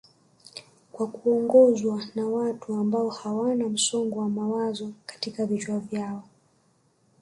kwa kuongozwa na watu ambao hawana msongo wa mawazo katika vichwa vyao